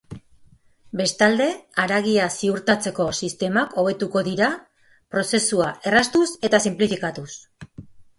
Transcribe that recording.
Bestalde, haragia ziurtatzeko sistemak hobetuko dira, prozesua erraztuz eta sinplifikatuz.